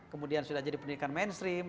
kemudian sudah jadi pendidikan mainstream